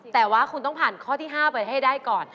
แต่ว่าคุณต้องผ่านข้อที่๕ไปให้ได้ก่อน